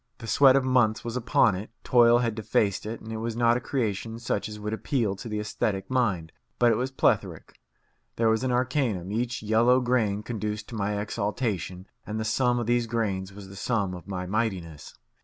The sweat of months was upon it, toil had defaced it, and it was not a creation such as would appeal to the aesthetic mind; but it was plethoric. There was the arcanum; each yellow grain conduced to my exaltation, and the sum of these grains was the sum of my mightiness.